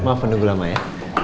maaf menunggu lama ya